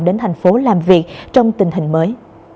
đến thành phố làm việc trong tình hình mới